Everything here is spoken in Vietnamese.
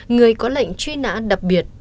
người có lệnh truy nã đặc biệt